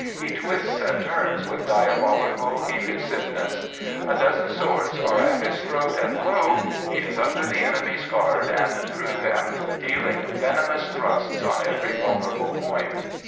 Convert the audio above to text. He twists and turns with diabolical elusiveness, A dozen swords are at his throat, and lo! he is under the enemy's guard and through them, dealing venomous thrusts on every vulnerable point.